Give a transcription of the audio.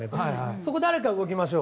そこに誰か動きましょう。